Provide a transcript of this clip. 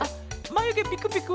まゆげピクピク？